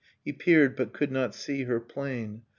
He peered, but could not see her plain.